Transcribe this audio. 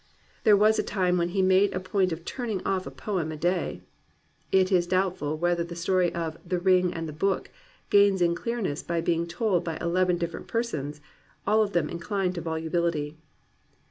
There was a time when he made a point of turning off a poem a day. It is doubtful whether the story of The Ring and the Book gains in clearness by being told by eleven dif ferent persons, all of them inclined to volubility.